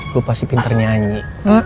lo pasti pinter nyanyi